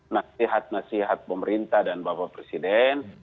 nasihat nasihat pemerintah dan bapak presiden